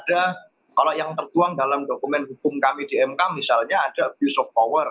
kalau yang tertuang dalam dokumen hukum kami di mk misalnya ada abuse of power